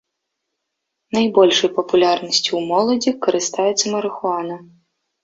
Найбольшай папулярнасцю ў моладзі карыстаецца марыхуана.